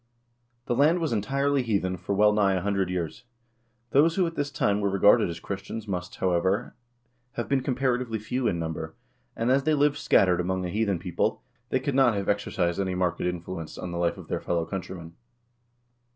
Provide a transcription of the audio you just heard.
The land was entirely heathen for well nigh a hundred years." 2 Those who at this time were regarded as Christians must, however, have been comparatively few in number, and, as they lived scattered among a heathen people, they could not have exercised any marked influ ence on the life of their fellow countrymen.